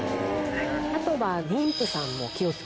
あとは。